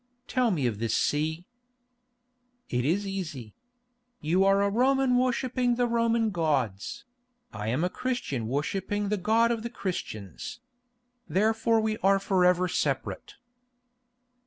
"Tell me of this sea." "It is easy. You are a Roman worshipping the Roman gods; I am a Christian worshipping the God of the Christians. Therefore we are forever separate."